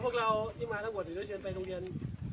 พวกเราที่มารับบทโดยเชิญไปโรงเรียน